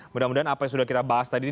mudah mudahan apa yang sudah kita bahas tadi